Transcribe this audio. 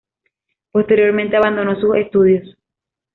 Posteriormente abandonó sus estudios.